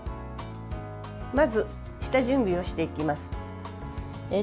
まず、下準備をしていきます。